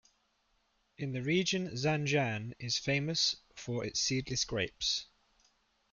In the region Zanjan is famous for its seedless grapes.